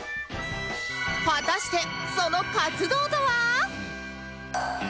果たしてその活動とは？